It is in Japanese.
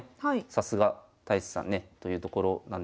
さすが太地さんねというところなんですが。